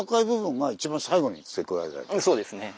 でそうですね。